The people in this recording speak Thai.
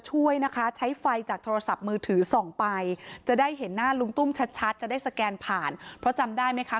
ช่วยนะคะใช้ไฟจากโทรศัพท์มือถือส่องไปจะได้เห็นหน้าลุงตุ้มชัดจะได้สแกนผ่านเพราะจำได้ไหมคะ